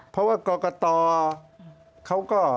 เพราะว่ากรกตเขาก็